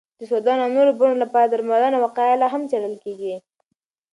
د سودان او نورو بڼو لپاره درملنه او وقایه لا هم څېړل کېږي.